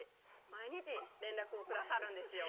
毎日連絡をくださるんですよ